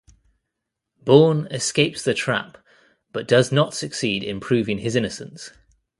Bourne escapes the trap, but does not succeed in proving his innocence.